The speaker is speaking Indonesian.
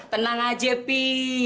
tenang aja bi